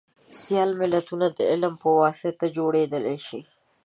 سیال ملتونه دعلم په واسطه جوړیدلی شي